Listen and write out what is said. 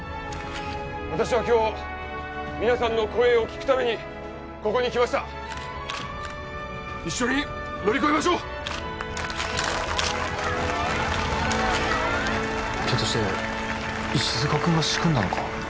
私は今日皆さんの声を聞くためにここに来ました一緒に乗り越えましょうひょっとして石塚君が仕組んだのか？